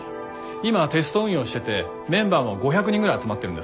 今テスト運用しててメンバーも５００人ぐらい集まってるんですけど。